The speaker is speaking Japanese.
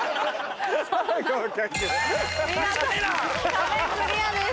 壁クリアです。